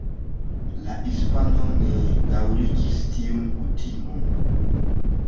La hispanoj ne daŭrigis tiun kutimon.